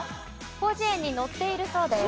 『広辞苑』に載っているそうです。